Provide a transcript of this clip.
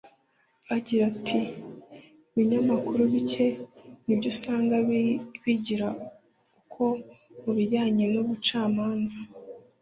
Agira ati “Ibinyamakuru bike nibyo usanga bigira ukora mu bijyanye n’ubucamanza